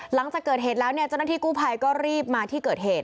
หลังจากเกิดเหตุแล้วเนี่ยเจ้าหน้าที่กู้ภัยก็รีบมาที่เกิดเหตุ